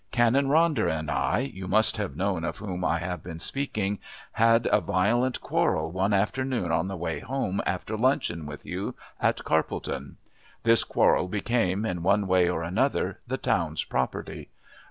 Canon Ronder and I you must have known of whom I have been speaking had a violent quarrel one afternoon on the way home after luncheon with you at Carpledon. This quarrel became, in one way or another, the town's property.